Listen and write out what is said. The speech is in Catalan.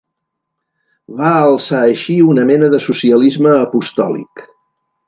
Va alçar així una mena de socialisme apostòlic.